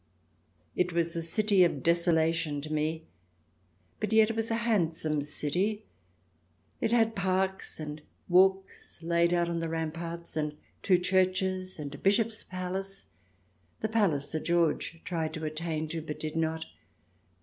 It was a city of desolation to me, but yet it was a handsome city. It had parks and walks laid out on the ramparts, and two churches and a Bishop's palace — the palace that George tried to attain to, but did not.